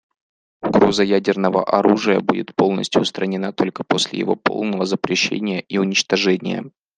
Угроза ядерного оружия будет полностью устранена только после его полного запрещения и уничтожения.